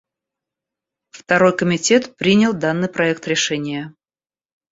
Второй комитет принял данный проект решения.